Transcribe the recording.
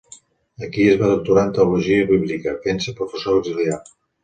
Aquí es va doctorar en Teologia Bíblica, fent-se professor auxiliar.